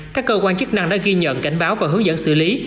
các cơ quan chức năng đã ghi nhận cảnh báo và hướng dẫn xử lý